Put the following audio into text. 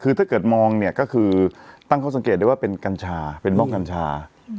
คือถ้าเกิดมองเนี่ยก็คือตั้งข้อสังเกตได้ว่าเป็นกัญชาเป็นบ้องกัญชา